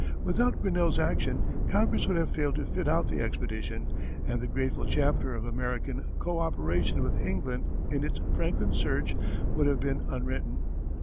Without Grinnell's action Congress would have failed to fit out the expedition, and the grateful chapter of American co operation with England in its Franklin search would have been unwritten.